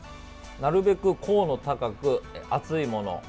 なるべく甲の高く、厚いもの。